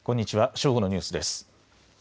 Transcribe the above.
正午のニュースです。